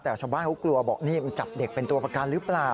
แต่ชาวบ้านเขากลัวบอกนี่มันจับเด็กเป็นตัวประกันหรือเปล่า